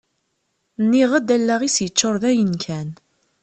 Nniɣ-d allaɣ-is yeččur dayen-kan.